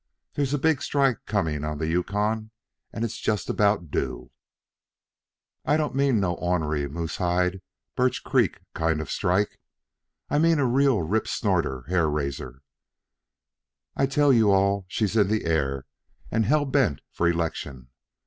There's a big strike coming on the Yukon, and it's just about due. I don't mean no ornery Moosehide, Birch Creek kind of a strike. I mean a real rip snorter hair raiser. I tell you all she's in the air and hell bent for election.